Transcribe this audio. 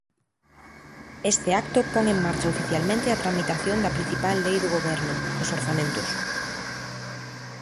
Este acto pon en marcha oficialmente a tramitación da principal lei do Goberno: os orzamentos.